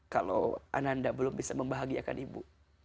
kalau anak anda belum bisa membahagiakan ibu